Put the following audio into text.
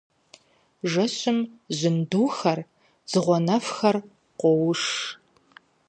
Жэщым жьындухэр, дзыгъуэнэфхэр къоуш.